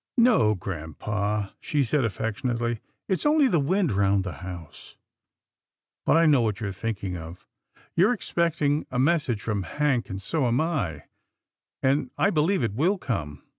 "" No, grampa," she said affectionately. " It's only the wind round the house, but I know what you're thinking of. You're expecting a message from Hank, and so am I, and I believe it will come.